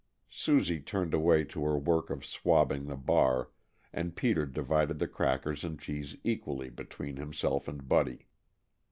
Susie turned away to her work of swabbing the bar, and Peter divided the crackers and cheese equally between himself and Buddy.